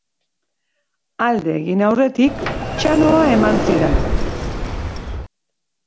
Alde egin aurretik, txanoa eman zidan.